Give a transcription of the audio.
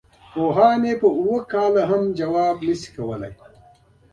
چې پوهان یې په اوو کالو کې هم ځواب نه شي کولای.